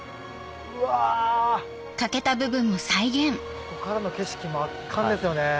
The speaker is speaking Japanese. ここからの景色も圧巻ですよね